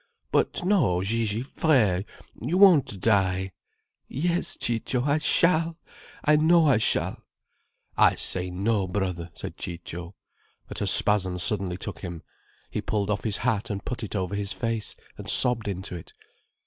"But no, Gigi, frère. You won't die." "Yes, Ciccio, I shall. I know I shall." "I say no, brother," said Ciccio. But a spasm suddenly took him, he pulled off his hat and put it over his face and sobbed into it.